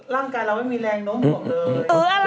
ร่างกายเราไม่มีแรงเนอะบอกเลย